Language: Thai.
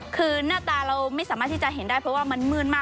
คือหน้าตาเราไม่สามารถที่จะเห็นได้เพราะว่ามันมืดมาก